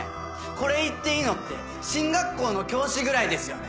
これ言っていいのって進学校の教師ぐらいですよね